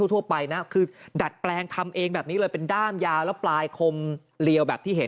ทั่วไปนะคือดัดแปลงทำเองแบบนี้เลยเป็นด้ามยาวแล้วปลายคมเลียวแบบที่เห็น